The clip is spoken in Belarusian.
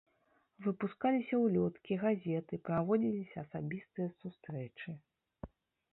Выпускаліся ўлёткі, газеты, праводзіліся асабістыя сустрэчы.